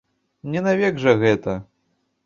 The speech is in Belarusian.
Не навек жа гэта.